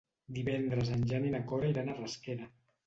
Divendres en Jan i na Cora iran a Rasquera.